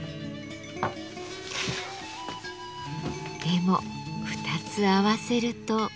でも二つ合わせると。